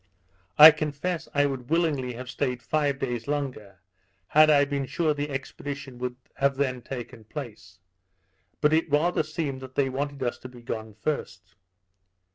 I confess I would willingly have staid five days longer, had I been sure the expedition would have then taken place; but it rather seemed that they wanted us to be gone first.